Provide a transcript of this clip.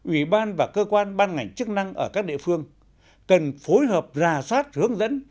ủy ban và cơ quan ban ngành chức năng ở các địa phương cần phối hợp rà soát hướng dẫn